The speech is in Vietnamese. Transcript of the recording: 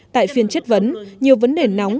tại phiên chất vấn nhiều vấn đề nóng